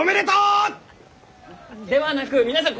ではなく皆さん